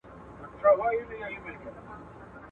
په بدل کي دي غوايي دي را وژلي.